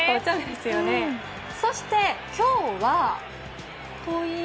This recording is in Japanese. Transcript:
そして今日は。